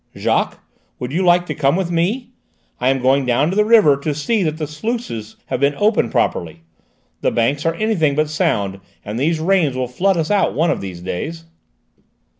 "Jacques, would you like to come with me? I am going down to the river to see that the sluices have been opened properly. The banks are anything but sound, and these rains will flood us out one of these days."